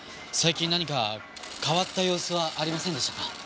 最近何か変わった様子はありませんでしたか？